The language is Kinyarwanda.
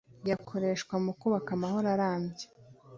byakoreshwa mu kubaka amahoro arambye